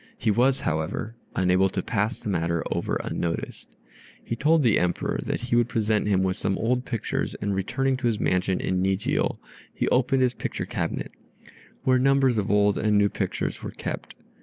He was, however, unable to pass the matter over unnoticed. He told the Emperor that he would present him with some old pictures, and returning to his mansion at Nijio he opened his picture cabinet, where numbers of old and new pictures were kept.